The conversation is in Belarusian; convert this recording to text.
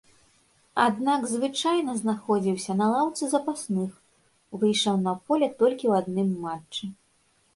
Аднак, звычайна знаходзіўся на лаўцы запасных, выйшаў на поле толькі ў адным матчы.